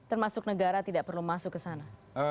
termasuk negara tidak perlu masuk ke sana